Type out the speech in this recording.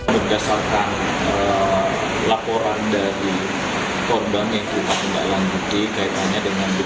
berdasarkan laporan dari korban yaitu pembegalan putih